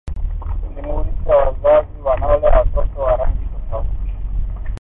Simulizi ya Wazazi Wanaolea Watoto wa Rangi Tofauti